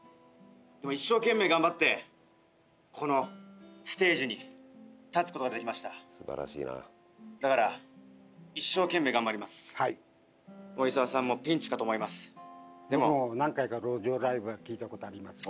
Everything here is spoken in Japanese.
でも一生懸命頑張ってこのステージに立つことができましただから一生懸命頑張ります森澤さんもピンチかと思いますでも僕も何回か路上ライブは聴いたことあります